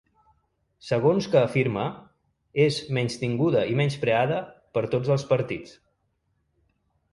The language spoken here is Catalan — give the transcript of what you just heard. Segons que afirma, és ‘menystinguda i menyspreada’ per tots els partits.